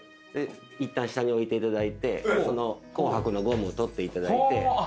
いったん下に置いていただいてその紅白のゴムを取っていただいて。